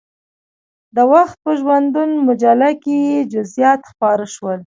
د وخت په ژوندون مجله کې یې جزئیات خپاره شول.